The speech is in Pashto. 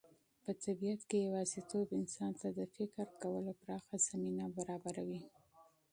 په طبیعت کې یوازېتوب انسان ته د فکر کولو پراخه زمینه برابروي.